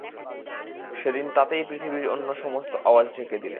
সেদিন তাতেই পৃথিবীর অন্য সমস্ত আওয়াজ ঢেকে দিলে।